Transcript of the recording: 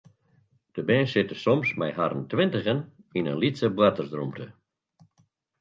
De bern sitte soms mei harren tweintigen yn in lytse boartersrûmte.